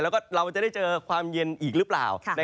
แล้วก็เราจะได้เจอความเย็นอีกหรือเปล่า